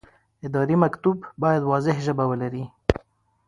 اداري مکتوب باید واضح ژبه ولري.